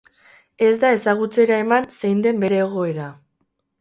Ez da ezagutzera eman zein den bere egoera.